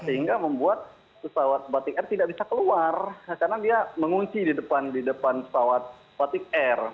sehingga membuat pesawat batik air tidak bisa keluar karena dia mengunci di depan pesawat batik air